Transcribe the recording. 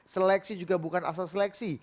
seleksi juga bukan asal seleksi